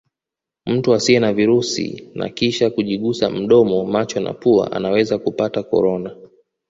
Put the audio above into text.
Mtu asiye na virusi na kisha kujigusa mdomo macho na pua anaweza kupata Corona